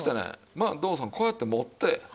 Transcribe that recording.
まあ堂さんこうやって持って。